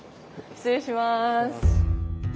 失礼します。